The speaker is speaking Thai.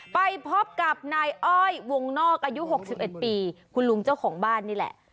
ไปพบกับนายอ้อยวงนอกอายุ๖๑ปีคุณลุงเจ้าของบ้านนี่แหละ